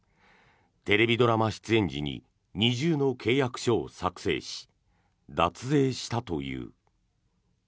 テレビドラマ出演時に二重の契約書を作成し脱税したという。